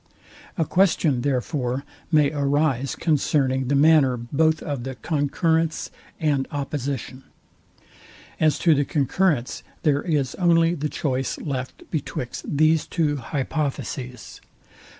A question, therefore, may arise concerning the manner both of the concurrence and opposition. As to the concurrence, there is only the choice left betwixt these two hypotheses.